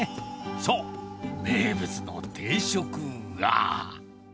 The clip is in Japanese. そう、名物の定食が。